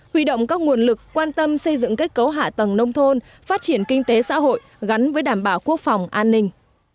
huy động các nguồn lực quan tâm xây dựng kết cấu hạ tầng nông thôn phát triển kinh tế xã hội gắn với đảm bảo quốc phòng an ninh